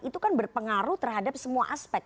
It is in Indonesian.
itu kan berpengaruh terhadap semua aspek